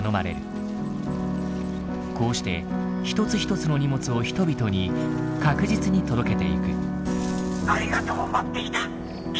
こうして一つ一つの荷物を人々に確実に届けていく。